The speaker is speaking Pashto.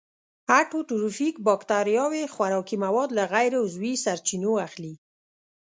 اټوټروفیک باکتریاوې خوراکي مواد له غیر عضوي سرچینو اخلي.